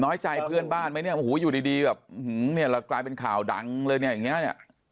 น้อยใจเพื่อนบ้านไหมเนี่ยอยู่ดีแบบเรากลายเป็นข่าวดังเลยเนี่ย